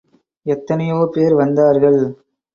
எத்தனையோ பேர் வந்தார்கள்.